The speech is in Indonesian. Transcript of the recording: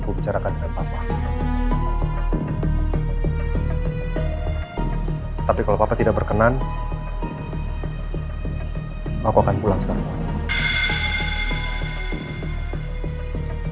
aku bicarakan dengan papa tidak berkenan aku akan pulang sekarang